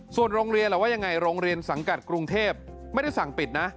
ส่วนโรงเรียนล่ะว่ายังไงโรงเรียนสังกัดกรุงเทพไม่ได้สั่งปิดนะ